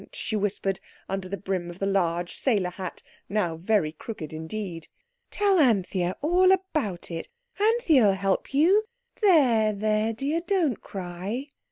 she whispered under the brim of the large sailor hat, now very crooked indeed. "Tell Anthea all about it; Anthea'lll help you. There, there, dear, don't cry."